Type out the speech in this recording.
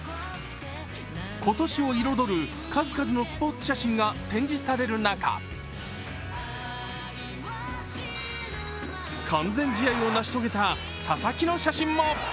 今年を彩る数々のスポーツ写真が展示される中、完全試合を成し遂げた佐々木の写真も。